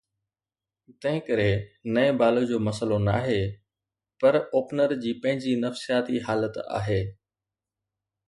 تنهنڪري نئين بال جو مسئلو ناهي، پر اوپنر جي پنهنجي نفسياتي حالت آهي.